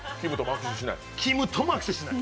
きむとも握手しない？